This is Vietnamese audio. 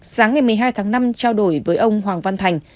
sáng ngày một mươi hai tháng năm trao đổi với ông hoàng văn thành